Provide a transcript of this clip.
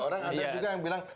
orang ada juga yang bilang